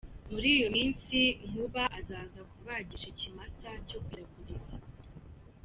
Muri iyo minsi, Nkuba aza kubagisha ikimasa cyo kwiraguriza.